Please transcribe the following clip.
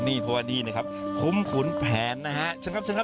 นี่เพราะว่านี่นะครับคุ้มขุนแผนนะฮะ